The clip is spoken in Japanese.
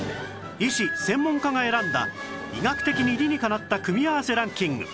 医師・専門家が選んだ医学的に理にかなった組み合わせランキング